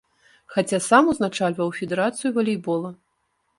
Хаця сам узначальваў федэрацыю валейбола.